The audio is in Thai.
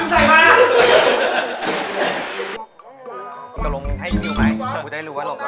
สาม๓